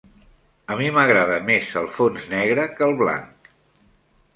A mi m'agrada més el fons negre que el blanc.